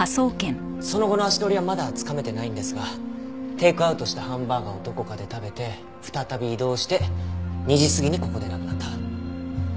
その後の足取りはまだつかめてないんですがテイクアウトしたハンバーガーをどこかで食べて再び移動して２時過ぎにここで亡くなった。